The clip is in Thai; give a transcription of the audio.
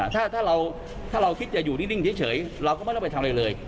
ถ้าเราคิดจะอยู่นิ่งเฉยเราก็ไม่ต้องไปทำอะไรเลย